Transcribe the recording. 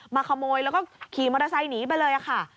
มาขโมยแล้วก็ขี่มอเตอร์ไซค์หนีไปเลยค่ะ